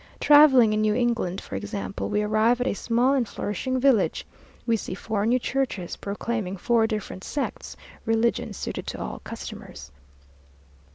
Travelling in New England, for example, we arrive at a small and flourishing village. We see four new churches, proclaiming four different sects; religion suited to all customers.